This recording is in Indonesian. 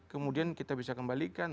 kemudian kita bisa kembalikan